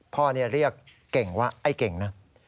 พ่อเรียกเก่งว่าไอ้เก่งนะ